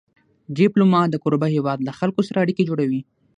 ډيپلومات د کوربه هېواد له خلکو سره اړیکې جوړوي.